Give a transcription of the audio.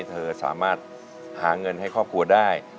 เธอสามารถหาเงินให้ครอบครัวได้